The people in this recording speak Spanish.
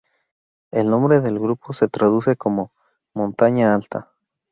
El nombre del grupo se traduce como "Montaña Alta".